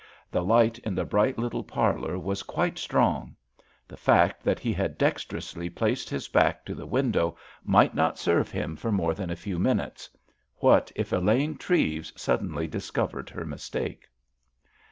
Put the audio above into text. The light in the bright little parlour was quite strong. The fact that he had dexterously placed his back to the window might not serve him for more than a few minutes. What if Elaine Treves suddenly discovered her mistake?